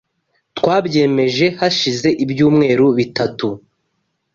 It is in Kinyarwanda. Twabyemeje hashize ibyumweru bitatu.